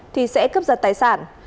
thì sẽ cấp giật tài sản